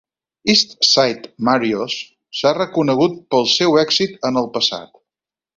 East Side Mario's s'ha reconegut pel seu èxit en el passat.